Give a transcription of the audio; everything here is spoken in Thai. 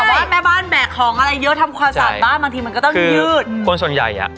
แต่ว่าแม่บ้านแบกของอะไรเยอะทำความสะอาดบ้านบางทีมันก็ต้องยืดคนส่วนใหญ่อ่ะ